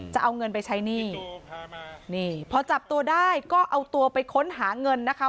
จะเอาเงินไปใช้หนี้นี่พอจับตัวได้ก็เอาตัวไปค้นหาเงินนะคะ